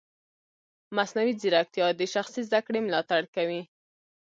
مصنوعي ځیرکتیا د شخصي زده کړې ملاتړ کوي.